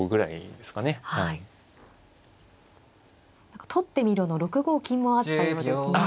何か取ってみろの６五金もあったようですね。